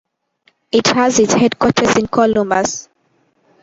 It has its headquarters in Columbus.